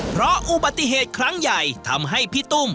เพราะอุบัติเหตุครั้งใหญ่ทำให้พี่ตุ้ม